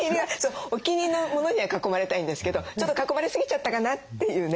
お気に入りのモノには囲まれたいんですけどちょっと囲まれすぎちゃったかなっていうね。